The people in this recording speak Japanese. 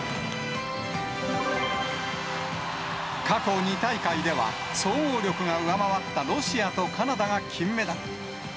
過去２大会では、総合力が上回ったロシアとカナダが金メダル。